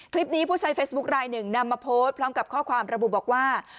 คลิปนี้ผู้ชายเฟซบุ๊กไลน์หนึ่งนำมาพอดพร้อมกับข้อความระบุบอกว่า